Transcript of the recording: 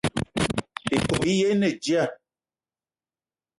Ikob í yé í te dji.